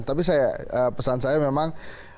tapi pesan saya memang